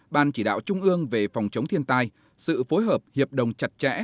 ban chỉ đạo trung ương về phòng chống thiên tai sự phối hợp hiệp đồng chặt chẽ